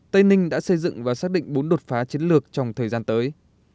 tây ninh đã xây dựng và xác định bốn đột phá chiến lược trong thời gian tới